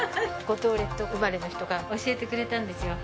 五島列島生まれの人が教えてくれたんですよ。